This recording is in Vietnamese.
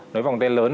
nói vòng tay lớn